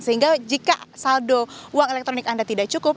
sehingga jika saldo uang elektronik anda tidak cukup